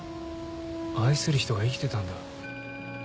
愛する人が生きてたんだ。